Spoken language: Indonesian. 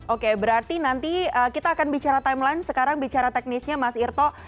oke berarti nanti kita akan bicara timeline sekarang bicara teknisnya mas irto